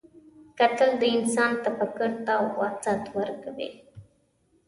کتل د انسان تفکر ته وسعت ورکوي